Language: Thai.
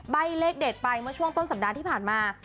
ใบ้เลขเด็ดไปเมื่อช่วงต้นสัปดาห์ที่ผ่านมา